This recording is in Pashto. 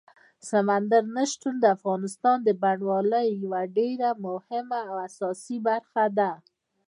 سمندر نه شتون د افغانستان د بڼوالۍ یوه ډېره مهمه او اساسي برخه ده.